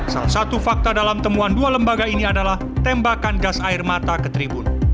salah satu fakta dalam temuan dua lembaga ini adalah tembakan gas air mata ke tribun